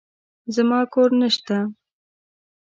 زما کور نشته.